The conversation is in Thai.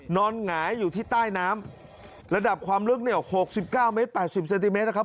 นอนหงายอยู่ที่ใต้น้ำระดับความลึกเนี่ยหกสิบเก้าเมตรป่าชสิบเซนติเมตรนะครับ